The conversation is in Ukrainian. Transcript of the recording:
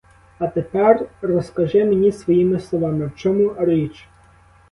А тепер розкажи мені своїми словами в чому річ.